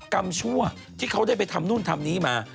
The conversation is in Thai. ชั่วที่เขาได้ไปทำนู่นทำนี้มา